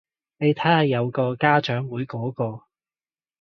你睇下有個家長會嗰個